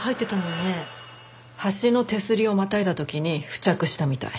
橋の手すりをまたいだ時に付着したみたい。